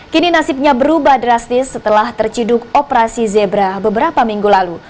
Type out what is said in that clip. kini nasibnya berubah drastis setelah terciduk operasi zebra beberapa minggu lalu